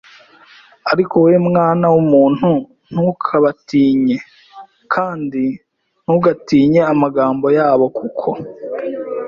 Ariko wowe mwana w umuntu ntukabatinye a kandi ntugatinye amagambo yabo kuko